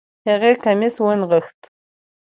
هغې کميس ونغښتۀ